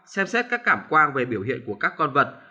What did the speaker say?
xem xét các cảm quan về biểu hiện của các con vật